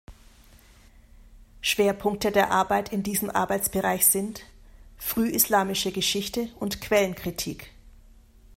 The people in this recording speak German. Schwerpunkte der Arbeit in diesem Arbeitsbereich sind: frühislamische Geschichte und Quellenkritik.